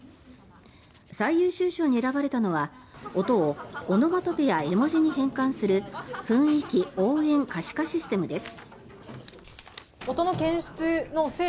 最優秀賞に選ばれたのは音をオノマトペや絵文字に変換する雰囲気・応援可視化システムです。